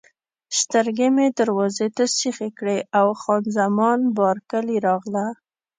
سترګې مې دروازې ته سیخې کړې او خان زمان بارکلي راغله.